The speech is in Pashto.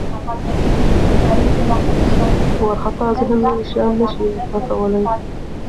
وارخطا ذهن نوي شیان نه شي زده کولی.